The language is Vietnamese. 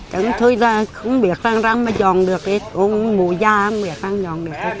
chẳng thôi là không biết răng răng mà dọn được cũng mùi da không biết răng răng được